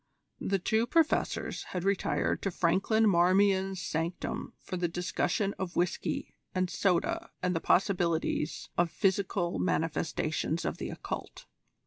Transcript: The two Professors had retired to Franklin Marmion's sanctum for the discussion of whisky and soda and the possibilities of physical manifestations of the Occult.